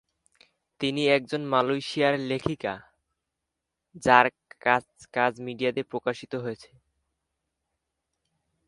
তিনি একজন মালয়েশিয়ার লেখিকা, যার কাজ মিডিয়াতে প্রকাশিত হয়েছে।